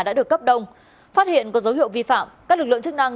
đã được cấp đông phát hiện có dấu hiệu vi phạm các lực lượng chức năng